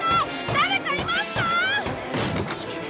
誰かいますか？